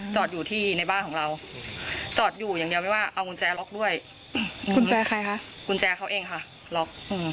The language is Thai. จอดอยู่ที่ในบ้านของเราจอดอยู่อย่างเดียวไม่ว่าเอากุญแจล็อกด้วยกุญแจใครคะกุญแจเขาเองค่ะล็อก